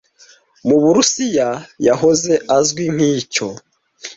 mu Burusiya yahoze azwi nk'icyo